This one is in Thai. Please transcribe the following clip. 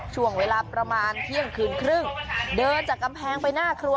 ช่วงเวลาประมาณเที่ยงคืนครึ่งเดินจากกำแพงไปหน้าครัว